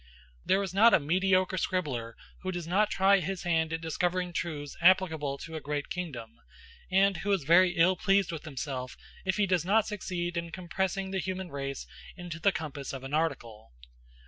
There is not a mediocre scribbler who does not try his hand at discovering truths applicable to a great kingdom, and who is very ill pleased with himself if he does not succeed in compressing the human race into the compass of an article.